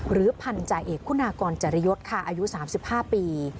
หรือพันธุ์จ่ายเอกคุณากรจรยศค่ะอายุ๓๕ปี